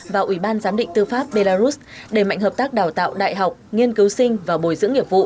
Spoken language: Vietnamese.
và ủy ban giám định tư pháp belarus đề mạnh hợp tác đào tạo đại học nghiên cứu sinh và bồi dưỡng nghiệp vụ